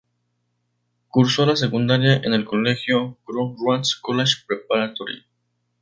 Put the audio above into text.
Cursó la secundaria en el colegio Crossroads College Preparatory.